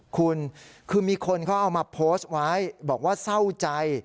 คุณคือมีคนเขาเอามาโพสต์ไว้บอกว่าเศร้าใจ